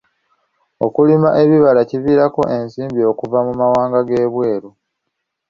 Okulima ebibala kiviirako ensimbi okuva mu mawanga g'ebweru.